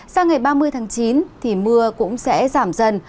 sao ngày ba mươi chín thì mưa cũng sẽ giảm dần